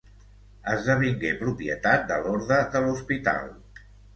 Esdevingué propietat de l'orde de l'Hospital.